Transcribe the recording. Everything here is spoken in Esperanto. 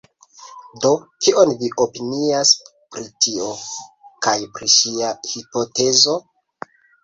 Do, kion vi opinias pri tio? kaj pri ŝia hipotezo?